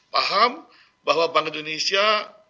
paham bahwa bank indonesia